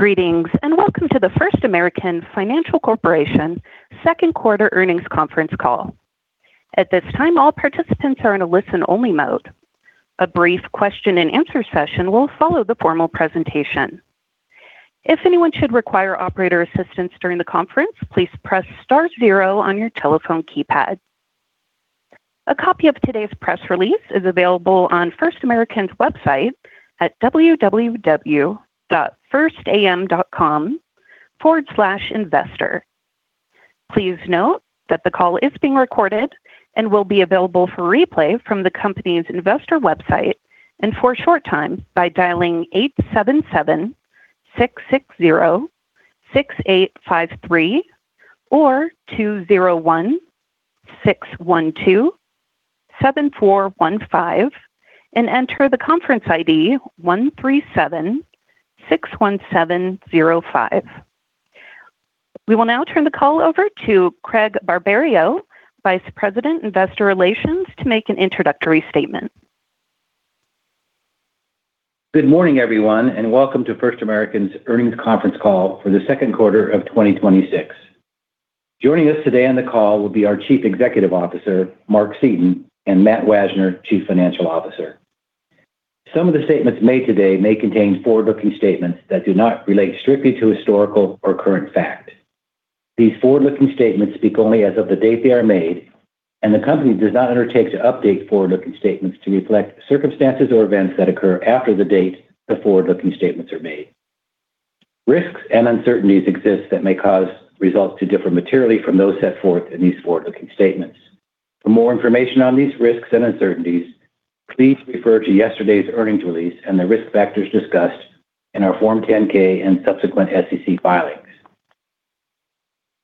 Greetings. Welcome to the First American Financial Corporation second quarter earnings conference call. At this time, all participants are in a listen-only mode. A brief question-and-answer session will follow the formal presentation. If anyone should require operator assistance during the conference, please press star zero on your telephone keypad. A copy of today's press release is available on First American's website at www.firstam.com/investor. Please note that the call is being recorded and will be available for replay from the company's investor website and for a short time by dialing 877-660-6853 or 201-612-7415 and enter the conference ID 13761705. We will now turn the call over to Craig Barberio, Vice President, Investor Relations, to make an introductory statement. Good morning, everyone. Welcome to First American's earnings conference call for the second quarter of 2026. Joining us today on the call will be our Chief Executive Officer, Mark Seaton, and Matt Wajner, Chief Financial Officer. Some of the statements made today may contain Forward-Looking statements that do not relate strictly to historical or current fact. These Foward-Looking statements speak only as of the date they are made. The company does not undertake to update Foward-Looking statements to reflect circumstances or events that occur after the date the Foward-Looking statements are made. Risks and uncertainties exist that may cause results to differ materially from those set forth in these Foward-Looking statements. For more information on these risks and uncertainties, please refer to yesterday's earnings release and the risk factors discussed in our Form 10-K and subsequent SEC filings.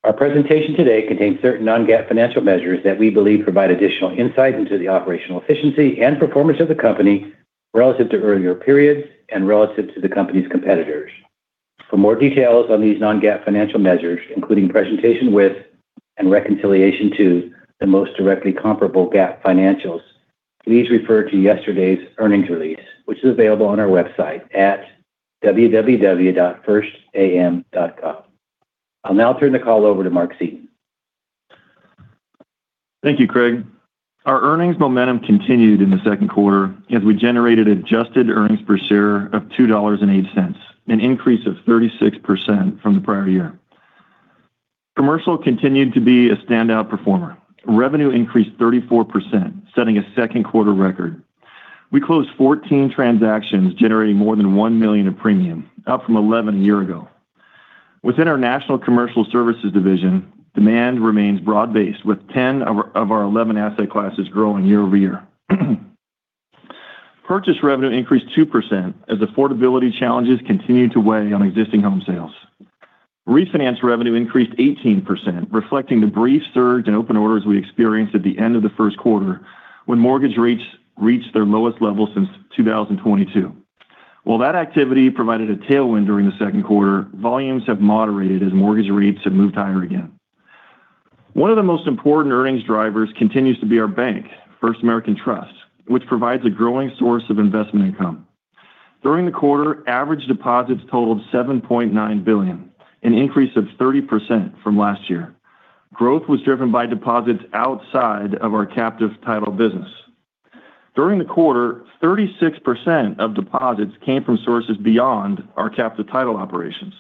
Our presentation today contains certain non-GAAP financial measures that we believe provide additional insight into the operational efficiency and performance of the company relative to earlier periods and relative to the company's competitors. For more details on these non-GAAP financial measures, including presentation with and reconciliation to the most directly comparable GAAP financials, please refer to yesterday's earnings release, which is available on our website at www.firstam.com. I'll now turn the call over to Mark Seaton. Thank you, Craig. Our earnings momentum continued in the second quarter as we generated adjusted earnings per share of $2.08, an increase of 36% from the prior year. Commercial continued to be a standout performer. Revenue increased 34%, setting a second quarter record. We closed 14 transactions generating more than $1 million in premium, up from 11 a year ago. Within our National Commercial Services division, demand remains broad-based, with 10 of our 11 asset classes growing year-over-year. Purchase revenue increased 2% as affordability challenges continued to weigh on existing home sales. Refinance revenue increased 18%, reflecting the brief surge in open orders we experienced at the end of the first quarter when mortgage rates reached their lowest level since 2022. While that activity provided a tailwind during the second quarter, volumes have moderated as mortgage rates have moved higher again. One of the most important earnings drivers continues to be our bank, First American Trust, which provides a growing source of investment income. During the quarter, average deposits totaled $7.9 billion, an increase of 30% from last year. Growth was driven by deposits outside of our captive title business. During the quarter, 36% of deposits came from sources beyond our captive title operations.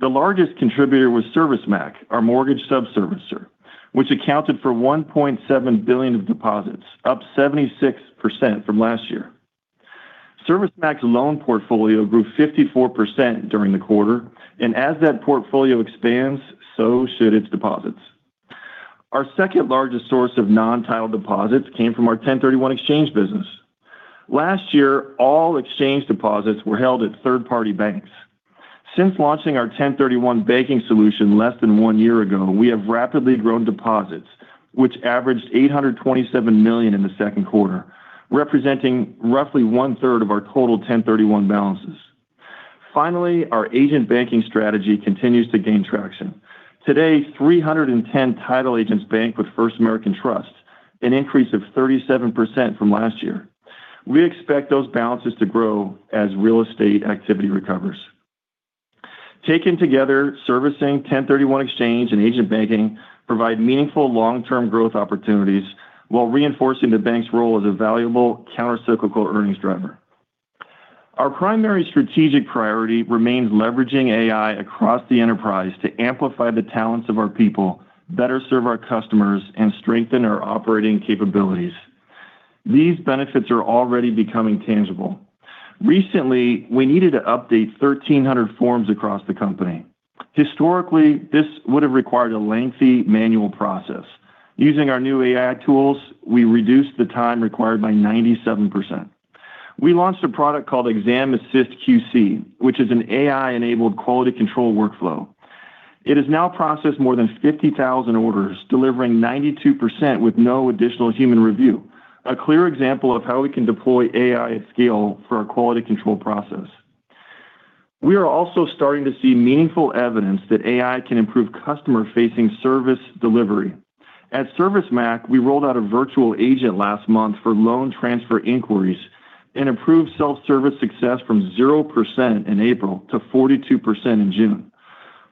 The largest contributor was ServiceMac, our mortgage sub-servicer, which accounted for $1.7 billion of deposits, up 76% from last year. ServiceMac's loan portfolio grew 54% during the quarter, and as that portfolio expands, so should its deposits. Our second-largest source of non-title deposits came from our 1031 exchange business. Last year, all exchange deposits were held at third-party banks. Since launching our 1031 banking solution less than one year ago, we have rapidly grown deposits, which averaged $827 million in the second quarter, representing roughly one-third of our total 1031 balances. Our agent banking strategy continues to gain traction. Today, 310 title agents bank with First American Trust, an increase of 37% from last year. We expect those balances to grow as real estate activity recovers. Taken together, servicing, 1031 exchange, and agent banking provide meaningful long-term growth opportunities while reinforcing the bank's role as a valuable countercyclical earnings driver. Our primary strategic priority remains leveraging AI across the enterprise to amplify the talents of our people, better serve our customers, and strengthen our operating capabilities. These benefits are already becoming tangible. Recently, we needed to update 1,300 forms across the company. Historically, this would have required a lengthy manual process. Using our new AI tools, we reduced the time required by 97%. We launched a product called Exam Assist QC, which is an AI-enabled quality control workflow. It has now processed more than 50,000 orders, delivering 92% with no additional human review. A clear example of how we can deploy AI at scale for our quality control process. We are also starting to see meaningful evidence that AI can improve customer-facing service delivery. At ServiceMac, we rolled out a virtual agent last month for loan transfer inquiries and improved self-service success from 0% in April to 42% in June.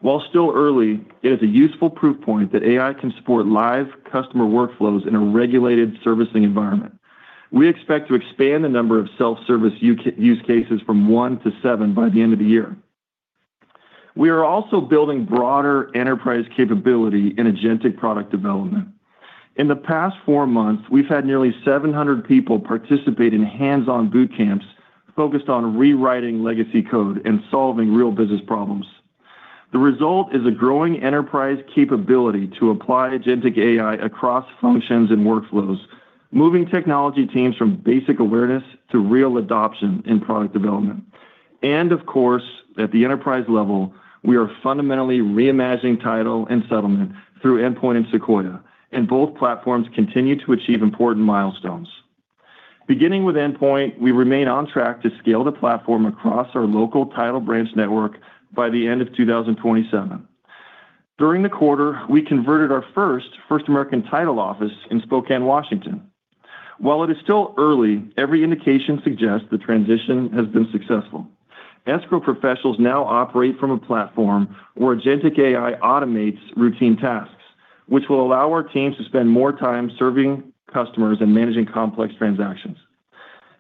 While still early, it is a useful proof point that AI can support live customer workflows in a regulated servicing environment. We expect to expand the number of self-service use cases from one to seven by the end of the year. We are also building broader enterprise capability in agentic product development. In the past four months, we've had nearly 700 people participate in hands-on boot camps focused on rewriting legacy code and solving real business problems. The result is a growing enterprise capability to apply agentic AI across functions and workflows, moving technology teams from basic awareness to real adoption in product development. Of course, at the enterprise level, we are fundamentally reimagining title and settlement through Endpoint and Sequoia, and both platforms continue to achieve important milestones. Beginning with Endpoint, we remain on track to scale the platform across our local title branch network by the end of 2027. During the quarter, we converted our first First American title office in Spokane, Washington. While it is still early, every indication suggests the transition has been successful. Escrow professionals now operate from a platform where agentic AI automates routine tasks, which will allow our teams to spend more time serving customers and managing complex transactions.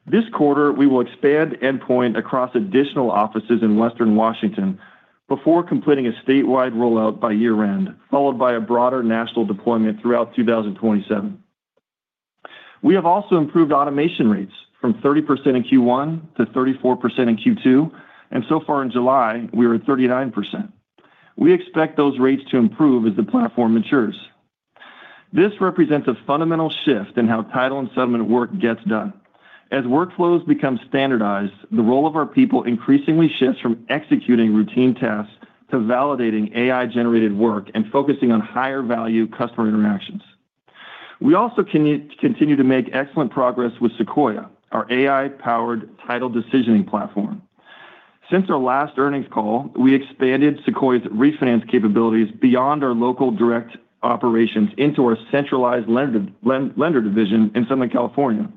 This quarter, we will expand Endpoint across additional offices in Western Washington before completing a statewide rollout by year-end, followed by a broader national deployment throughout 2027. We have also improved automation rates from 30% in Q1 to 34% in Q2, and so far in July, we are at 39%. We expect those rates to improve as the platform matures. This represents a fundamental shift in how title and settlement work gets done. As workflows become standardized, the role of our people increasingly shifts from executing routine tasks to validating AI-generated work and focusing on higher-value customer interactions. We also continue to make excellent progress with Sequoia, our AI-powered title decisioning platform. Since our last earnings call, we expanded Sequoia's refinance capabilities beyond our local direct operations into our centralized lender division in Southern California.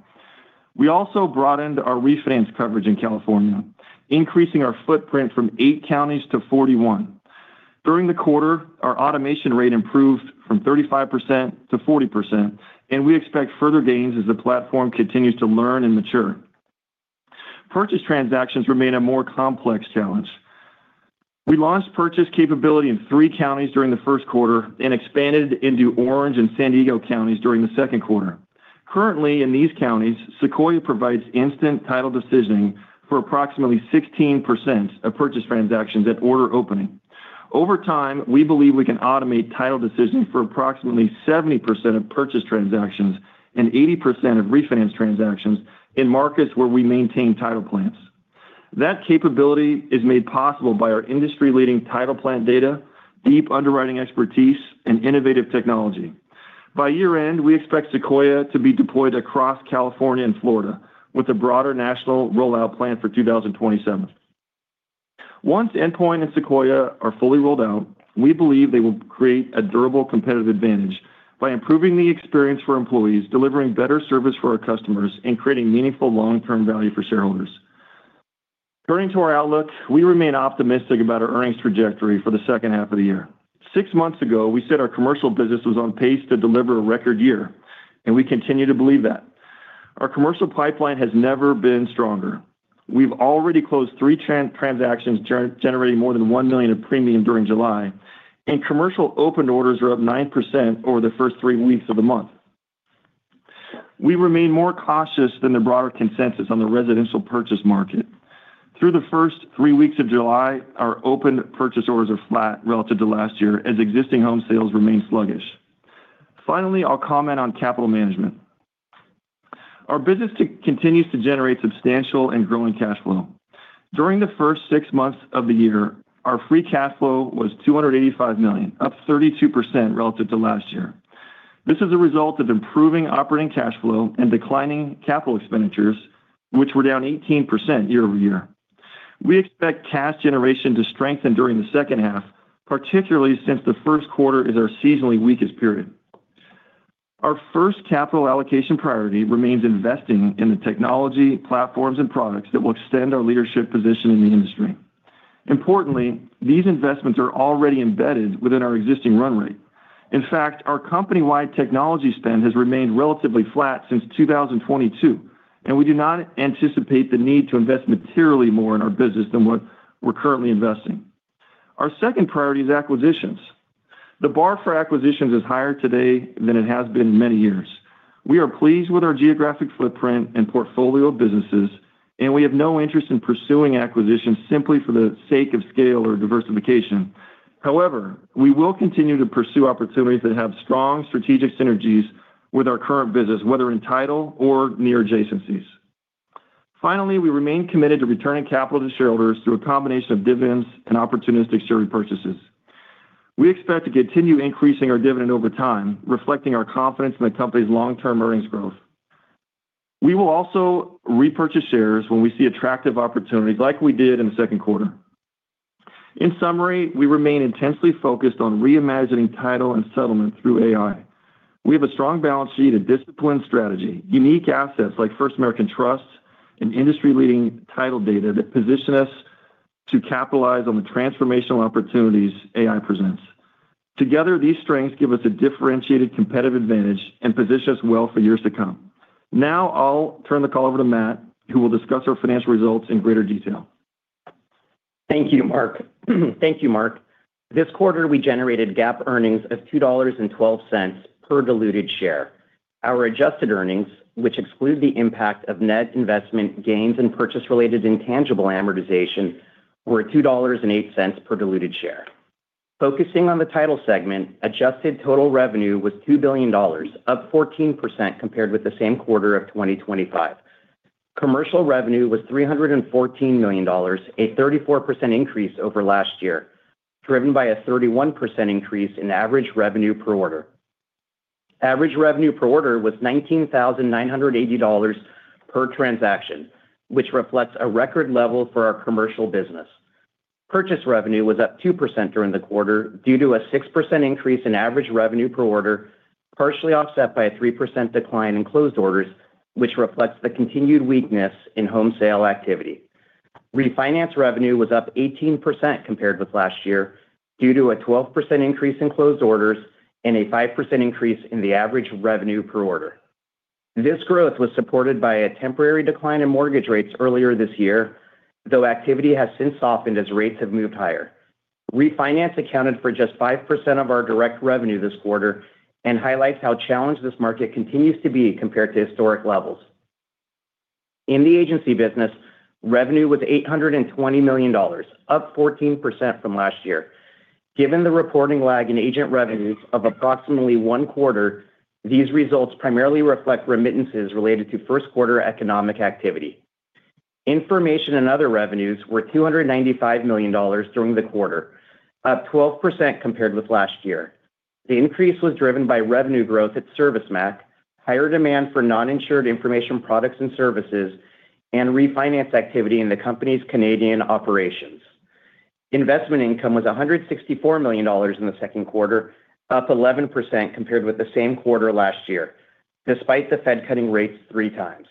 We also broadened our refinance coverage in California, increasing our footprint from eight counties to 41. During the quarter, our automation rate improved from 35%-40%, and we expect further gains as the platform continues to learn and mature. Purchase transactions remain a more complex challenge. We launched purchase capability in three counties during the first quarter and expanded into Orange and San Diego counties during the second quarter. Currently, in these counties, Sequoia provides instant title decisioning for approximately 16% of purchase transactions at order opening. Over time, we believe we can automate title decisioning for approximately 70% of purchase transactions and 80% of refinance transactions in markets where we maintain title plans. That capability is made possible by our industry-leading title plan data, deep underwriting expertise, and innovative technology. By year-end, we expect Sequoia to be deployed across California and Florida with a broader national rollout plan for 2027. Once Endpoint and Sequoia are fully rolled out, we believe they will create a durable competitive advantage by improving the experience for employees, delivering better service for our customers, and creating meaningful long-term value for shareholders. Turning to our outlook, we remain optimistic about our earnings trajectory for the second half of the year. Six months ago, we said our commercial business was on pace to deliver a record year, and we continue to believe that. Our commercial pipeline has never been stronger. We've already closed three transactions, generating more than $1 million in premium during July, and commercial open orders are up 9% over the first three weeks of the month. We remain more cautious than the broader consensus on the residential purchase market. Through the first three weeks of July, our open purchase orders are flat relative to last year as existing home sales remain sluggish. Finally, I'll comment on capital management. Our business continues to generate substantial and growing cash flow. During the first six months of the year, our free cash flow was $285 million, up 32% relative to last year. This is a result of improving operating cash flow and declining capital expenditures, which were down 18% year-over-year. We expect cash generation to strengthen during the second half, particularly since the first quarter is our seasonally weakest period. Our first capital allocation priority remains investing in the technology, platforms, and products that will extend our leadership position in the industry. Importantly, these investments are already embedded within our existing run rate. In fact, our company-wide technology spend has remained relatively flat since 2022, and we do not anticipate the need to invest materially more in our business than what we're currently investing. Our second priority is acquisitions. The bar for acquisitions is higher today than it has been in many years. We are pleased with our geographic footprint and portfolio of businesses, and we have no interest in pursuing acquisitions simply for the sake of scale or diversification. However, we will continue to pursue opportunities that have strong strategic synergies with our current business, whether in title or near adjacencies. Finally, we remain committed to returning capital to shareholders through a combination of dividends and opportunistic share repurchases. We expect to continue increasing our dividend over time, reflecting our confidence in the company's long-term earnings growth. We will also repurchase shares when we see attractive opportunities like we did in the second quarter. In summary, we remain intensely focused on reimagining title and settlement through AI. We have a strong balance sheet, a disciplined strategy, unique assets like First American Trust, and industry-leading title data that position us to capitalize on the transformational opportunities AI presents. Together, these strengths give us a differentiated competitive advantage and position us well for years to come. Now I'll turn the call over to Matt, who will discuss our financial results in greater detail. Thank you, Mark. Thank you, Mark. This quarter, we generated GAAP earnings of $2.12 per diluted share. Our adjusted earnings, which exclude the impact of net investment gains and purchase-related intangible amortization, were $2.08 per diluted share. Focusing on the title segment, adjusted total revenue was $2 billion, up 14% compared with the same quarter of 2025. Commercial revenue was $314 million, a 34% increase over last year, driven by a 31% increase in average revenue per order. Average revenue per order was $19,980 per transaction, which reflects a record level for our commercial business. Purchase revenue was up 2% during the quarter due to a 6% increase in average revenue per order, partially offset by a 3% decline in closed orders, which reflects the continued weakness in home sale activity. Refinance revenue was up 18% compared with last year due to a 12% increase in closed orders and a 5% increase in the average revenue per order. This growth was supported by a temporary decline in mortgage rates earlier this year, though activity has since softened as rates have moved higher. Refinance accounted for just 5% of our direct revenue this quarter and highlights how challenged this market continues to be compared to historic levels. In the agency business, revenue was $820 million, up 14% from last year. Given the reporting lag in agent revenues of approximately one quarter, these results primarily reflect remittances related to first-quarter economic activity. Information and other revenues were $295 million during the quarter, up 12% compared with last year. The increase was driven by revenue growth at ServiceMac, higher demand for non-insured information products and services, and refinance activity in the company's Canadian operations. Investment income was $164 million in the second quarter, up 11% compared with the same quarter last year, despite the Fed cutting rates 3x.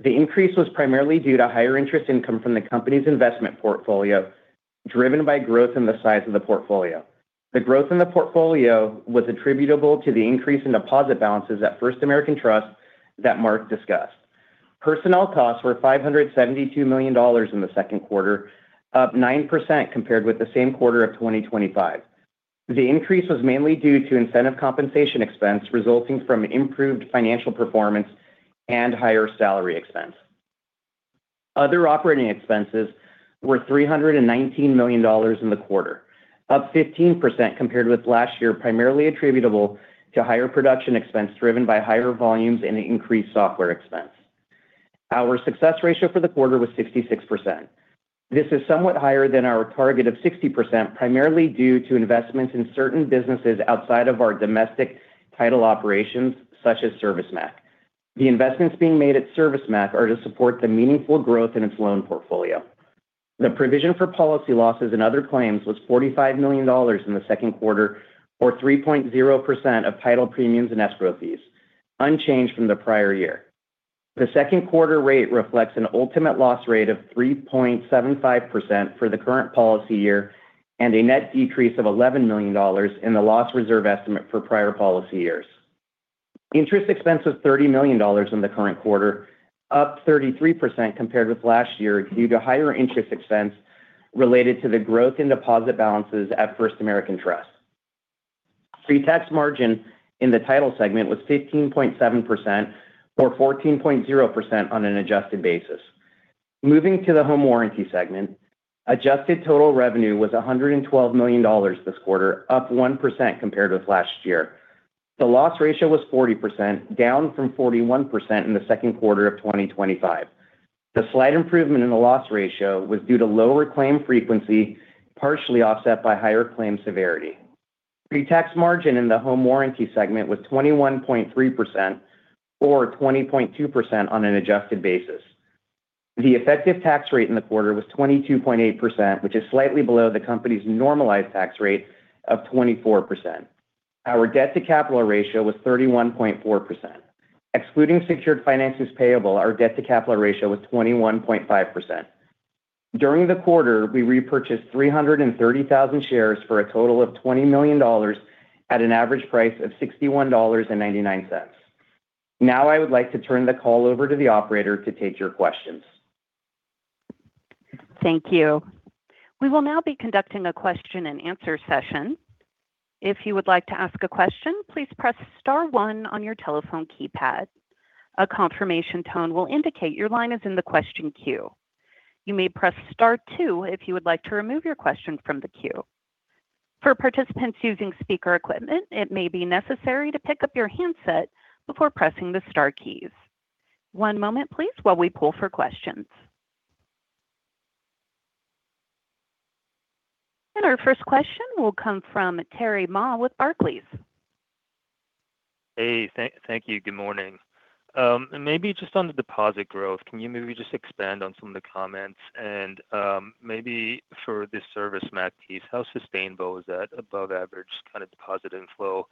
The increase was primarily due to higher interest income from the company's investment portfolio, driven by growth in the size of the portfolio. The growth in the portfolio was attributable to the increase in deposit balances at First American Trust that Mark discussed. Personnel costs were $572 million in the second quarter, up 9% compared with the same quarter of 2025. The increase was mainly due to incentive compensation expense resulting from improved financial performance and higher salary expense. Other operating expenses were $319 million in the quarter, up 15% compared with last year, primarily attributable to higher production expense driven by higher volumes and an increased software expense. Our success ratio for the quarter was 66%. This is somewhat higher than our target of 60%, primarily due to investments in certain businesses outside of our domestic title operations, such as ServiceMac. The investments being made at ServiceMac are to support the meaningful growth in its loan portfolio. The provision for policy losses and other claims was $45 million in the second quarter, or 3.0% of title premiums in escrow fees, unchanged from the prior year. The second quarter rate reflects an ultimate loss rate of 3.75% for the current policy year and a net decrease of $11 million in the loss reserve estimate for prior policy years. Interest expense was $30 million in the current quarter, up 33% compared with last year, due to higher interest expense related to the growth in deposit balances at First American Trust. Pre-tax margin in the title segment was 15.7%, or 14.0% on an adjusted basis. Moving to the home warranty segment, adjusted total revenue was $112 million this quarter, up 1% compared with last year. The loss ratio was 40%, down from 41% in the second quarter of 2025. The slight improvement in the loss ratio was due to lower claim frequency, partially offset by higher claim severity. Pre-tax margin in the home warranty segment was 21.3%, or 20.2% on an adjusted basis. The effective tax rate in the quarter was 22.8%, which is slightly below the company's normalized tax rate of 24%. Our debt-to-capital ratio was 31.4%. Excluding secured finances payable, our debt-to-capital ratio was 21.5%. During the quarter, we repurchased 330,000 shares for a total of $20 million at an average price of $61.99. I would like to turn the call over to the operator to take your questions. Thank you. We will now be conducting a question-and-answer session. If you would like to ask a question, please press star one on your telephone keypad. A confirmation tone will indicate your line is in the question queue. You may press star two if you would like to remove your question from the queue. For participants using speaker equipment, it may be necessary to pick up your handset before pressing the star keys. One moment, please, while we pull for questions. Our first question will come from Terry Ma with Barclays. Hey, thank you. Good morning. Maybe just on the deposit growth, can you maybe just expand on some of the comments and maybe for the ServiceMac piece, how sustainable is that above average kind of deposit inflow?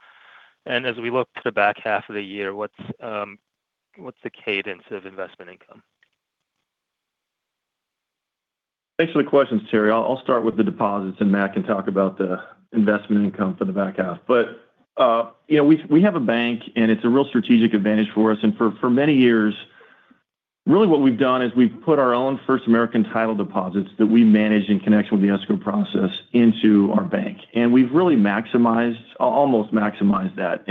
As we look to the back half of the year, what's the cadence of investment income? Thanks for the questions, Terry. I'll start with the deposits, and Matt can talk about the investment income for the back half. We have a bank, and it's a real strategic advantage for us. For many years, really what we've done is we've put our own First American title deposits that we manage in connection with the escrow process into our bank. We've really almost maximized that.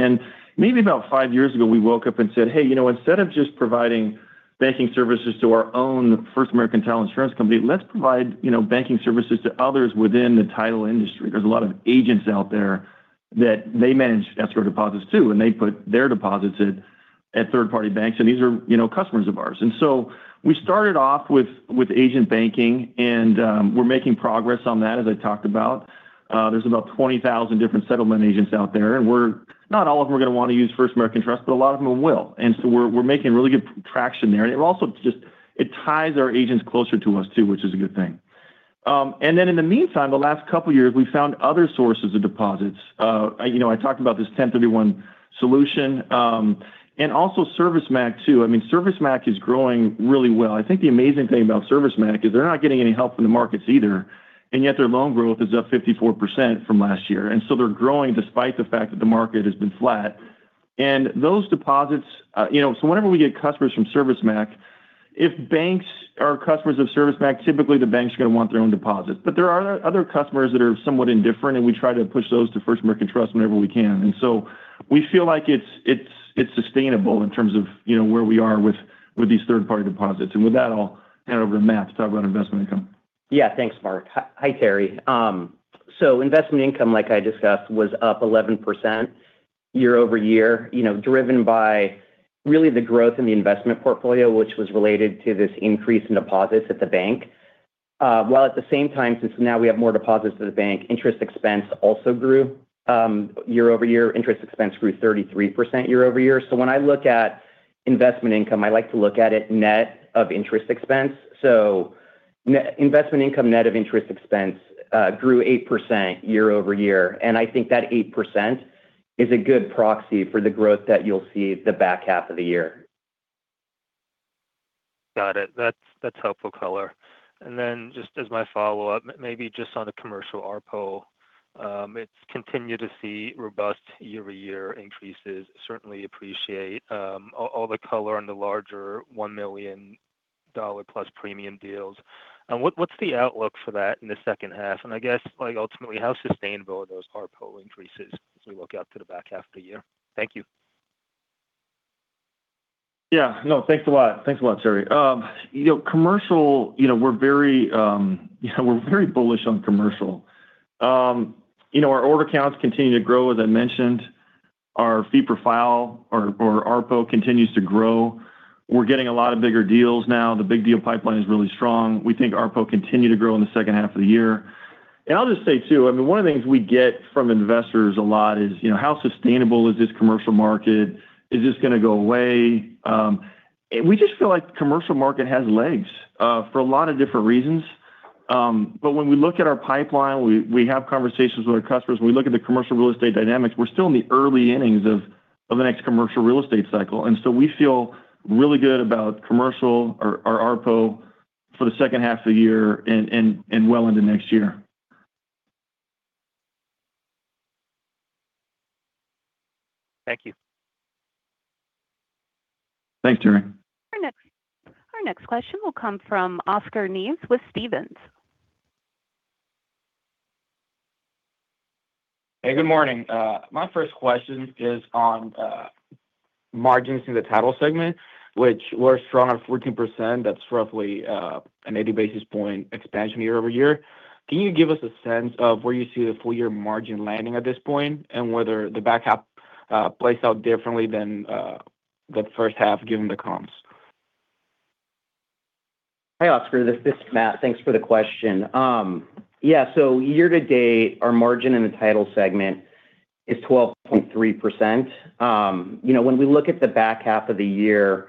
Maybe about five years ago, we woke up and said, "Hey, instead of just providing banking services to our own First American Title Insurance Company, let's provide banking services to others within the title industry." There's a lot of agents out there that they manage escrow deposits too, and they put their deposits at third-party banks, and these are customers of ours. We started off with agent banking, and we're making progress on that, as I talked about. There's about 20,000 different settlement agents out there, and not all of them are going to want to use First American Trust, but a lot of them will. We're making really good traction there. It also just ties our agents closer to us, too, which is a good thing. In the meantime, the last couple of years, we've found other sources of deposits. I talked about this 1031 solution, and also ServiceMac, too. I mean, ServiceMac is growing really well. I think the amazing thing about ServiceMac is they're not getting any help from the markets either, and yet their loan growth is up 54% from last year. They're growing despite the fact that the market has been flat. Whenever we get customers from ServiceMac, if banks are customers of ServiceMac, typically the banks are going to want their own deposits. There are other customers that are somewhat indifferent, and we try to push those to First American Trust whenever we can. We feel like it's sustainable in terms of where we are with these third-party deposits. With that, I'll hand it over to Matt to talk about investment income. Yeah, thanks, Mark. Hi, Terry. Investment income, like I discussed, was up 11% year-over-year, driven by really the growth in the investment portfolio, which was related to this increase in deposits at the bank. While at the same time, since now we have more deposits to the bank, interest expense also grew year-over-year. Interest expense grew 33% year-over-year. When I look at investment income, I like to look at it net of interest expense. Investment income net of interest expense grew 8% year-over-year. I think that 8% is a good proxy for the growth that you'll see the back half of the year. Got it. That's helpful color. Then just as my follow-up, maybe just on the commercial ARPO, it's continued to see robust year-over-year increases. Certainly appreciate all the color on the larger $1 million plus premium deals. What's the outlook for that in the second half? I guess ultimately, how sustainable are those ARPO increases as we look out to the back half of the year? Thank you. Yeah. No, thanks a lot, Terry. We're very bullish on commercial. Our order counts continue to grow, as I mentioned. Our fee per file or ARPO continues to grow. We're getting a lot of bigger deals now. The big deal pipeline is really strong. We think ARPO continue to grow in the second half of the year. I'll just say, too, one of the things we get from investors a lot is, how sustainable is this commercial market? Is this going to go away? We just feel like the commercial market has legs for a lot of different reasons. When we look at our pipeline, we have conversations with our customers, and we look at the commercial real estate dynamics. We're still in the early innings of the next commercial real estate cycle. We feel really good about commercial or our ARPO for the second half of the year and well into next year. Thank you. Thanks, Terry. Our next question will come from Oscar Nieves with Stephens. Hey, good morning. My first question is on margins in the title segment, which were strong at 14%. That's roughly an 80-basis-point expansion year-over-year. Can you give us a sense of where you see the full-year margin landing at this point and whether the back half plays out differently than the first half given the comps? Hey, Oscar, this is Matt. Thanks for the question. Year to date, our margin in the title segment is 12.3%. When we look at the back half of the year,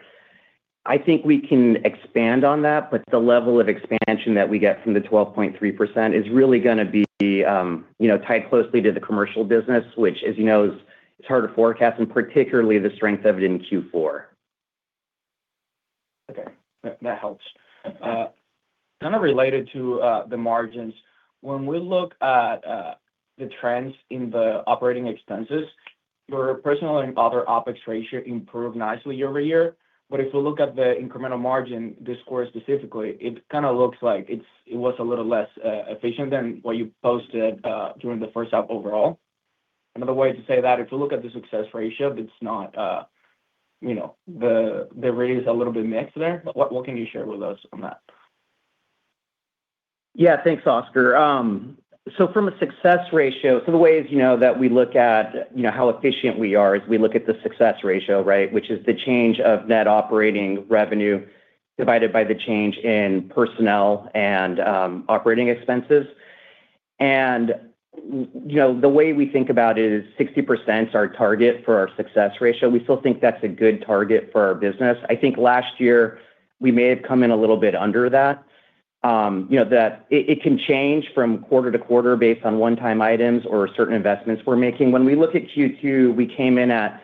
I think we can expand on that, but the level of expansion that we get from the 12.3% is really going to be tied closely to the commercial business, which, as you know, is hard to forecast, and particularly the strength of it in Q4. That helps. Kind of related to the margins, when we look at the trends in the operating expenses, your personnel and other OpEx ratio improved nicely year-over-year. If we look at the incremental margin this quarter specifically, it kind of looks like it was a little less efficient than what you posted during the first half overall. Another way to say that, if you look at the success ratio, the rate is a little bit mixed there. What can you share with us on that? Thanks, Oscar. From a success ratio, the ways that we look at how efficient we are is we look at the success ratio, right? Which is the change of net operating revenue divided by the change in personnel and operating expenses. The way we think about it is 60% is our target for our success ratio. We still think that's a good target for our business. I think last year we may have come in a little bit under that. It can change from quarter-to-quarter based on one-time items or certain investments we're making. When we look at Q2, we came in at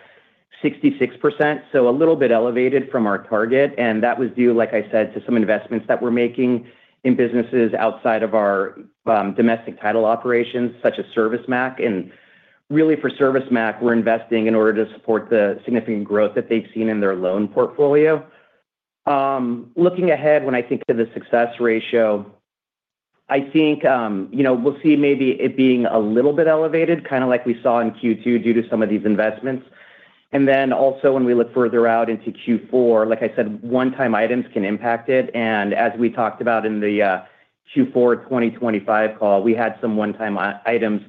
66%, so a little bit elevated from our target. That was due, like I said, to some investments that we're making in businesses outside of our domestic title operations, such as ServiceMac. Really for ServiceMac, we're investing in order to support the significant growth that they've seen in their loan portfolio. Looking ahead, when I think to the success ratio, I think we'll see maybe it being a little bit elevated, kind of like we saw in Q2 due to some of these investments. Also when we look further out into Q4, like I said, one-time items can impact it. As we talked about in the Q4 2025 call, we had some one-time items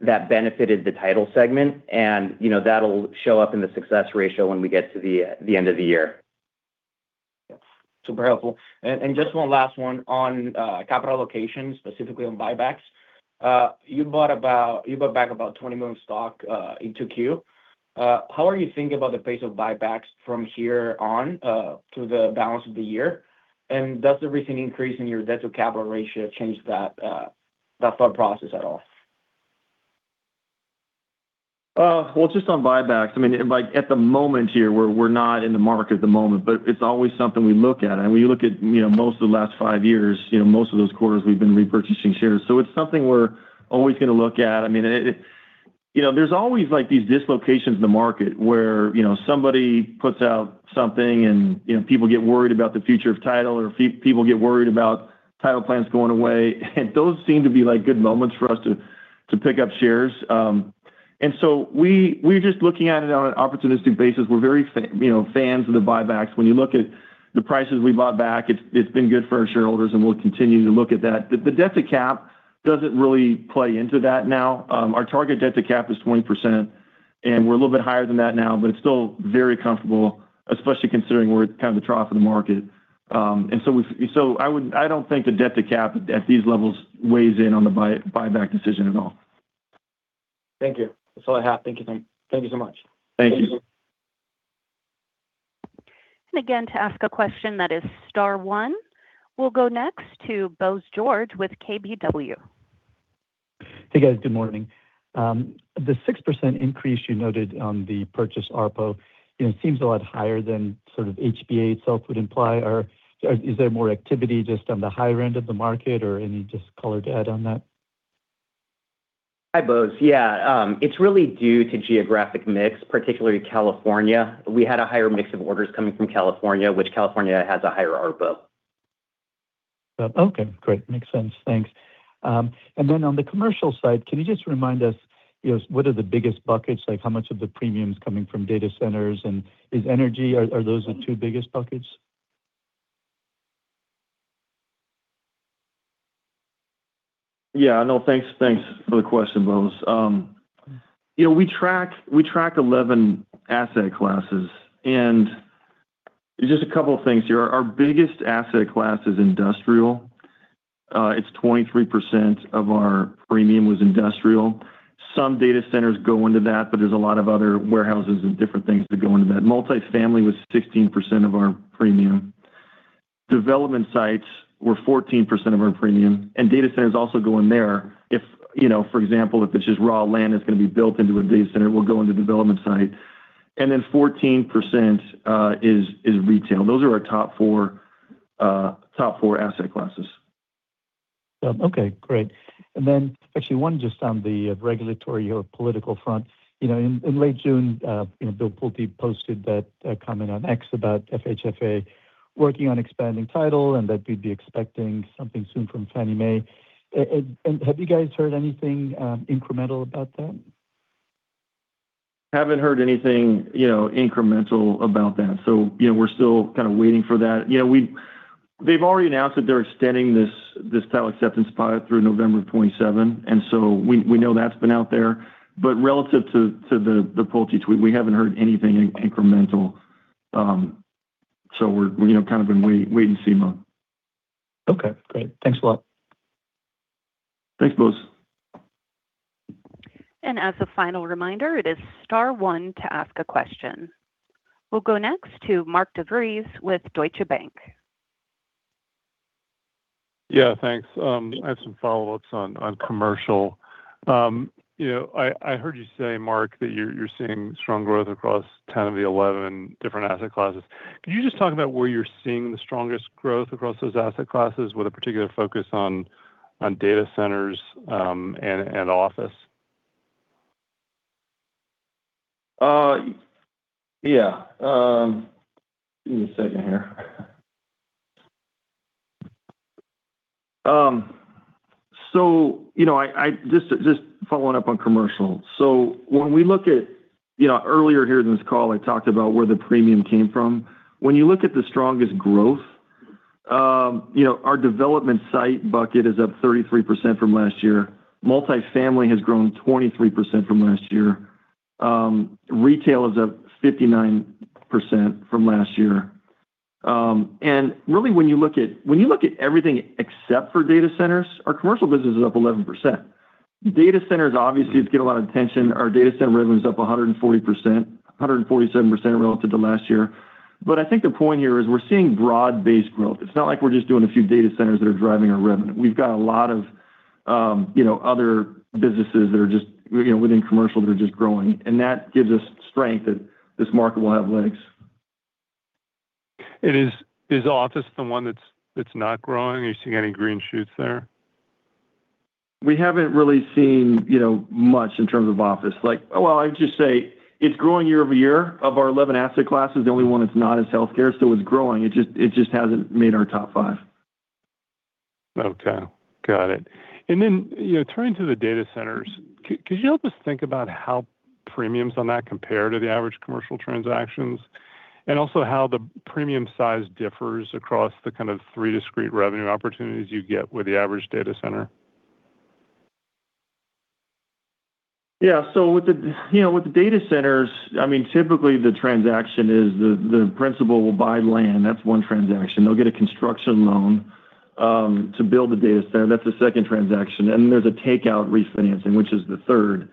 that benefited the title segment, and that'll show up in the success ratio when we get to the end of the year. Super helpful. Just one last one on capital allocation, specifically on buybacks. You bought back about $20 million stock in 2Q. How are you thinking about the pace of buybacks from here on to the balance of the year, and does the recent increase in your debt to capital ratio change that thought process at all? Well, just on buybacks, at the moment here, we're not in the market at the moment, but it's always something we look at. When you look at most of the last five years, most of those quarters we've been repurchasing shares. It's something we're always going to look at. There's always these dislocations in the market where somebody puts out something and people get worried about the future of title, or people get worried about title plants going away, and those seem to be good moments for us to pick up shares. We're just looking at it on an opportunistic basis. We're very fans of the buybacks. When you look at the prices we bought back, it's been good for our shareholders, and we'll continue to look at that. The debt to cap doesn't really play into that now. Our target debt to cap is 20%, we're a little bit higher than that now, but it's still very comfortable, especially considering we're at kind of the trough of the market. I don't think the debt to cap at these levels weighs in on the buyback decision at all. Thank you. That's all I have. Thank you so much. Thank you. Thank you. Again, to ask a question, that is star one. We'll go next to Bose George with KBW. Hey, guys. Good morning. The 6% increase you noted on the purchase ARPO, it seems a lot higher than sort of HPA itself would imply. Is there more activity just on the higher end of the market or any just color to add on that? Hi, Bose. Yeah. It's really due to geographic mix, particularly California. We had a higher mix of orders coming from California, which California has a higher ARPO. Okay, great. Makes sense. Thanks. Then on the commercial side, can you just remind us what are the biggest buckets? How much of the premium's coming from data centers, and is energy, are those the two biggest buckets? Yeah. No, thanks for the question, Bose. We track 11 asset classes, and just a couple of things here. Our biggest asset class is industrial. It's 23% of our premium was industrial. Some data centers go into that, but there's a lot of other warehouses and different things that go into that. Multifamily was 16% of our premium. Development sites were 14% of our premium, and data centers also go in there. For example, if it's just raw land that's going to be built into a data center, will go into development site. Then 14% is retail. Those are our top four asset classes. Okay, great. Then actually one just on the regulatory or political front. In late June Bill Pulte posted that comment on X about FHFA working on expanding title and that we'd be expecting something soon from Fannie Mae. Have you guys heard anything incremental about that? Haven't heard anything incremental about that. We're still kind of waiting for that. They've already announced that they're extending this title acceptance pilot through November 27, we know that's been out there. Relative to the Pulte tweet, we haven't heard anything incremental. We're kind of in wait and see mode. Okay, great. Thanks a lot. Thanks, Bose. As a final reminder, it is star one to ask a question. We'll go next to Mark DeVries with Deutsche Bank. Yeah, thanks. I have some follow-ups on commercial. I heard you say, Mark, that you're seeing strong growth across 10 of the 11 different asset classes. Could you just talk about where you're seeing the strongest growth across those asset classes with a particular focus on data centers and office? Give me a second here. Just following up on commercial. When we look at earlier here in this call, I talked about where the premium came from. When you look at the strongest growth, our development site bucket is up 33% from last year. Multifamily has grown 23% from last year. Retail is up 59% from last year. Really, when you look at everything except for data centers, our commercial business is up 11%. Data centers obviously get a lot of attention. Our data center revenue's up 140%, 147% relative to last year. I think the point here is we're seeing broad-based growth. It's not like we're just doing a few data centers that are driving our revenue. We've got a lot of other businesses within commercial that are just growing, and that gives us strength that this market will have legs. Is office the one that's not growing? Are you seeing any green shoots there? We haven't really seen much in terms of office. I would just say it's growing year-over-year. Of our 11 asset classes, the only one that's not is healthcare, it's growing. It just hasn't made our top five. Okay. Got it. Then, turning to the data centers, could you help us think about how premiums on that compare to the average commercial transactions? Also how the premium size differs across the kind of three discrete revenue opportunities you get with the average data center. Yeah. With the data centers, typically the transaction is the principal will buy land. That's one transaction. They'll get a construction loan to build the data center. That's the second transaction. There's a takeout refinancing, which is the third.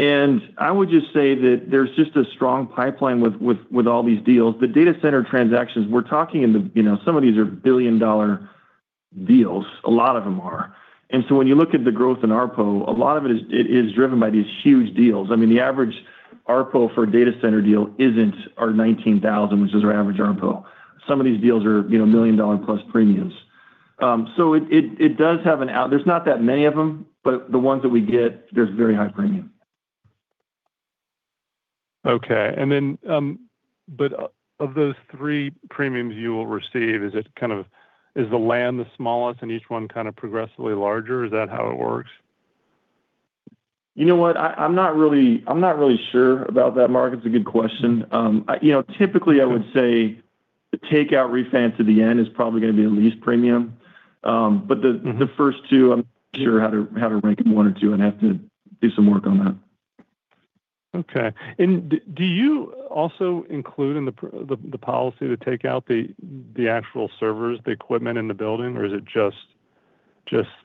I would just say that there's just a strong pipeline with all these deals. The data center transactions, some of these are billion-dollar deals. A lot of them are. When you look at the growth in ARPO, a lot of it is driven by these huge deals. The average ARPO for a data center deal isn't our $19,000, which is our average ARPO. Some of these deals are million-dollar-plus premiums. There's not that many of them, but the ones that we get, there's very high premium. Okay. Of those three premiums you will receive, is the land the smallest and each one kind of progressively larger? Is that how it works? You know what? I'm not really sure about that, Mark. It's a good question. Typically, I would say the takeout refi to the end is probably going to be the least premium. The first two, I'm not sure how to rank them, one or two. I'd have to do some work on that. Okay. Do you also include in the policy to take out the actual servers, the equipment in the building, or is it just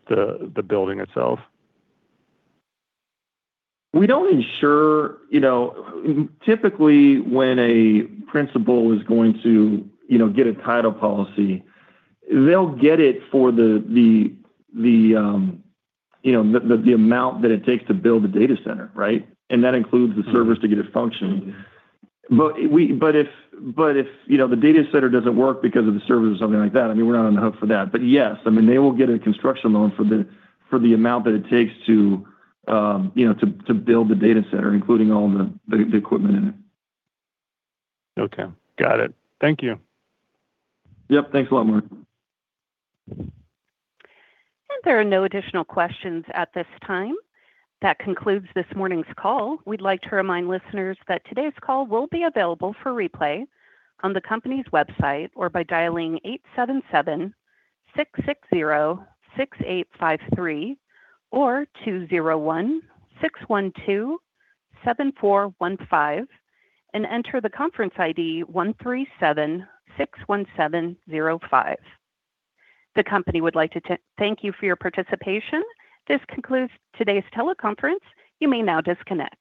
the building itself? Typically, when a principal is going to get a title policy, they'll get it for the amount that it takes to build a data center, right? That includes the servers to get it functioning. If the data center doesn't work because of the servers or something like that, we're not on the hook for that. Yes, they will get a construction loan for the amount that it takes to build the data center, including all the equipment in it. Okay. Got it. Thank you. Yep. Thanks a lot, Mark. There are no additional questions at this time. That concludes this morning's call. We'd like to remind listeners that today's call will be available for replay on the company's website, or by dialing 877-660-6853 or 201-612-7415 and enter the conference ID 13761705. The company would like to thank you for your participation. This concludes today's teleconference. You may now disconnect.